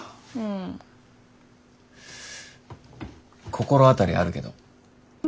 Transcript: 心当たりあるけど。